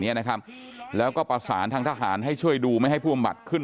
เนี้ยนะครับแล้วก็ประสานทางทหารให้ช่วยดูไม่ให้ผู้อำบัดขึ้น